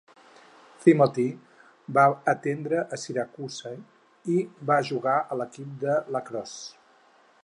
Timothy va atendre a Syracuse i va jugar a l'equip de lacrosse.